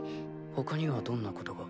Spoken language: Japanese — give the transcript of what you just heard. ほかにはどんなことが？